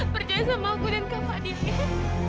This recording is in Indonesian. percaya sama aku dan kak fadil ya